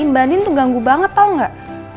mbak din tuh ganggu banget tau gak